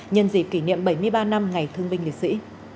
nhân dịp kỷ niệm bảy mươi ba năm ngày thương binh liệt sĩ